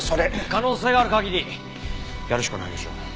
可能性がある限りやるしかないでしょ！